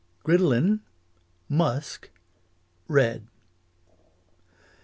Gridelin Musk Red.